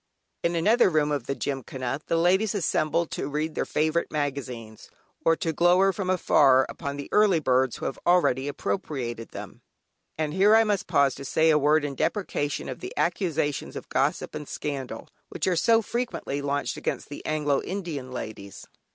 In another room of the Gymkhana the ladies assemble to read their favourite magazines, or to glower from afar upon the early birds who have already appropriated them. And here I must pause to say a word in deprecation of the accusations of gossip and scandal, which are so frequently launched against the Anglo Indian ladies.